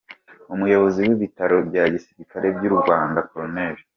Umuyobozi w’Ibitaro bya Gisirikare by’u Rwanda, Col.